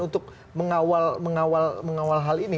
untuk mengawal hal ini